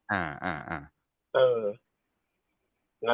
อ่าอ่าอ่า